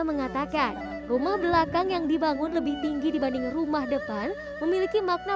mengatakan rumah belakang yang dibangun lebih tinggi dibanding rumah depan memiliki makna